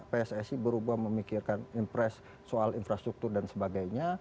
pssi berubah memikirkan impres soal infrastruktur dan sebagainya